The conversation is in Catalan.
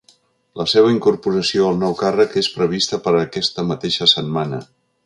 La seva incorporació al nou càrrec és prevista per a aquesta mateixa setmana.